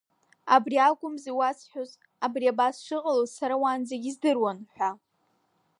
Абри акәымзи иуасҳәоз, абри абас шыҟалоз сара уаанӡагьы издыруан, ҳәа.